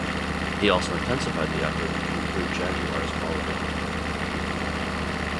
He also intensified the effort to improve Jaguar's quality.